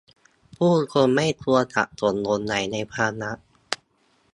ผู้คนไม่ควรสับสนหลงใหลในความรัก